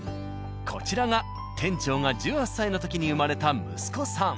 こちらが店長が１８歳の時に生まれた息子さん。